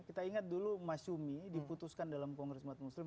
kita ingat dulu masyumi diputuskan dalam kongres umat muslim